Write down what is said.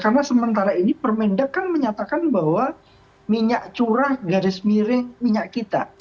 karena sementara ini permenda kan menyatakan bahwa minyak curah garis miring minyak kita